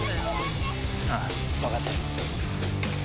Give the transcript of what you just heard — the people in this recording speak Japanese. あぁ分かってる。